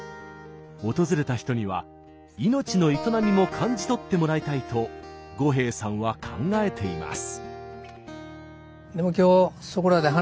訪れた人には命の営みも感じ取ってもらいたいと五兵衛さんは考えています。